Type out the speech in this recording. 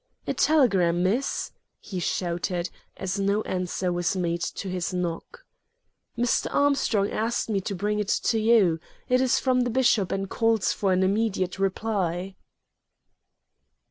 "A telegram, miss," he shouted, as no answer was made to his knock. "Mr. Armstrong asked me to bring it to you. It is from the bishop and calls for an immediate reply."